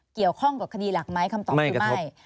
เกี่ยวข้องกับคดีหลักไหมคำตอบคือไม่